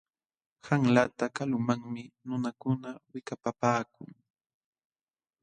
Qanlata kalumanmi nunakuna wikapapaakun.